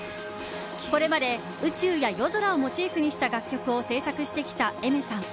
これまで宇宙や夜空をモチーフにした楽曲を制作してきたＡｉｍｅｒさん。